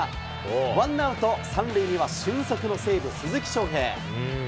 ワンアウト３塁には、俊足の西武、鈴木将平。